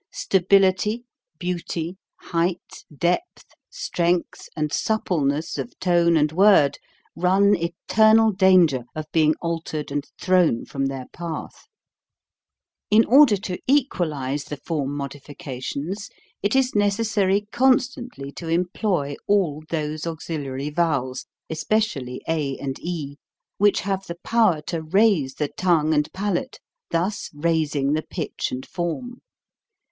Stability, beauty, height, depth, strength, and suppleness of tone and word run eternal dan ger of being altered and thrown from their path. In order to equalize the form modifications PRONUNCIATION. CONSONANTS 279 it is necessary constantly to employ all those auxiliary vowels especially a and e which have the power to raise the tongue and palate, thus raising the pitch and form.